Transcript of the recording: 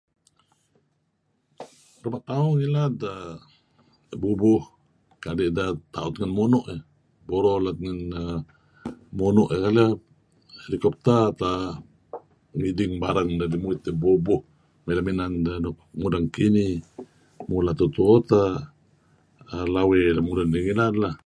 Ruma' tauh nih ngilad ideh bubuh kadi' deh ta'ut ngen munu' eh , buro let ngen munu' eh keleh, helicopter teh ngiding barang dedih muit dih bubuh me lem inan deh mudeng kinih. Mula' tu'uh-tu'uh teh lawey lemulun nih ngilad lah..